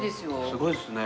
すごいですね。